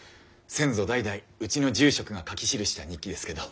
先祖代々うちの住職が書き記した日記ですけど。